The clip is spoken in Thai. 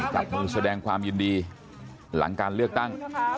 จับมือแสดงความยินดีหลังการเลือกตั้ง